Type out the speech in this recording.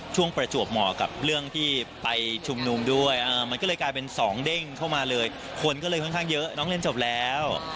ประจวบเหมาะกับเรื่องที่ไปชุมนุมด้วยมันก็เลยกลายเป็นสองเด้งเข้ามาเลยคนก็เลยค่อนข้างเยอะน้องเรียนจบแล้ว